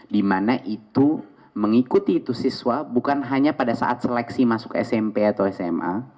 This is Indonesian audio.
dimana itu mengikuti itu siswa bukan hanya pada saat seleksi masuk smp atau sma